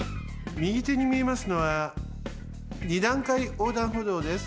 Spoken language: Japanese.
みぎてにみえますのは二段階横断歩道です。